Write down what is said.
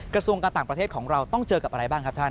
กระทรวงการต่างประเทศของเราต้องเจอกับอะไรบ้างครับท่าน